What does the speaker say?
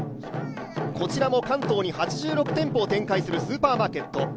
こちらも関東に８６店舗を展開するスーパーマーケット。